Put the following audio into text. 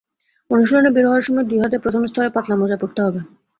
অনুশীলনে বের হওয়ার সময় দুই হাতে প্রথম স্তরে পাতলা মোজা পরতে হবে।